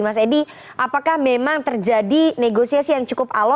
mas edi apakah memang terjadi negosiasi yang cukup alo